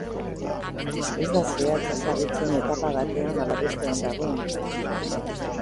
Ez da zehatz ezagutzen etapa batean ala bestean dagoen.